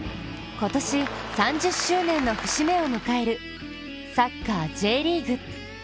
今年、３０周年の節目を迎えるサッカーＪリーグ。